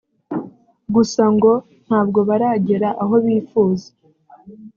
gusa ngo ntabwo baragera aho bifuza